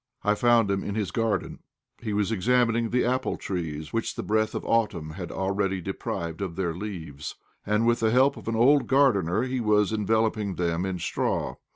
I found him in his garden. He was examining the apple trees which the breath of autumn had already deprived of their leaves, and, with the help of an old gardener, he was enveloping them in straw.